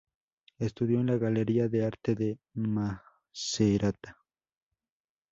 Estudió en la galería de arte de Macerata.